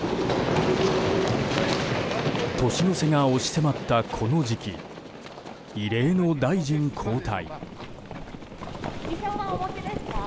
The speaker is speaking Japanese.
年の瀬が押し迫った、この時期異例の大臣交代。